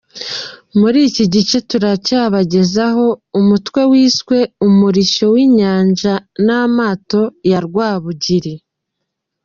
Muri iki gice, turacyabagezaho umutwe wiswe “Umurishyo w’Inyanja n’amato ya Rwabugili “.